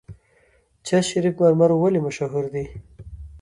چشت شریف مرمر ولې مشهور دي؟